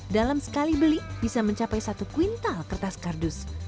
dalam sekali beli bisa mencapai satu kuintal kertas kardus